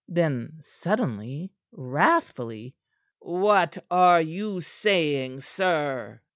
Then, suddenly, wrathfully: "What are you saying, sir?"